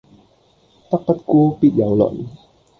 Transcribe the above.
德不孤必有鄰